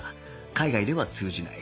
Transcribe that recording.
海外では通じない